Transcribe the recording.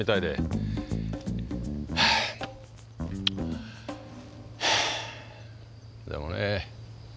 でもね